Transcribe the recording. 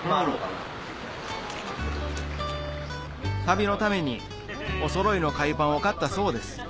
旅のためにおそろいの海パンを買ったそうです